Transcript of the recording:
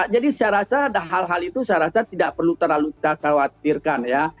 jadi saya rasa hal hal itu saya rasa tidak perlu terlalu saya khawatirkan ya